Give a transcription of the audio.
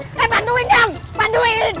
eh bantuin dong bantuin